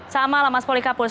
selamat malam mas polikarpus